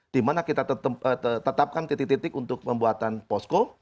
di mana kita tetapkan titik titik untuk pembuatan posko